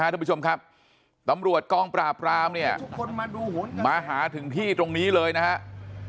ทุกผู้ชมครับตำรวจกองปราบรามเนี่ยมาหาถึงที่ตรงนี้เลยนะครับ